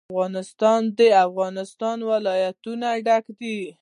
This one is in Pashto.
افغانستان له د افغانستان ولايتونه ډک دی.